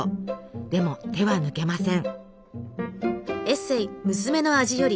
でも手は抜けません。